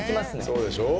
そうでしょう？